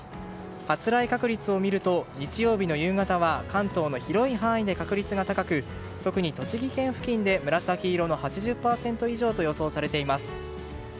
発雷確率を見ると日曜日の夕方は関東の広い範囲で確率が高く特に栃木県付近で紫色の８０％以上と予想されています。